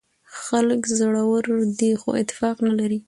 خلک زړور دي خو اتفاق نه لري.